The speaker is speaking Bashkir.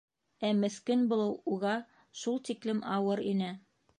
Ә меҫкен булыу уга шул тиклем ауыр ине.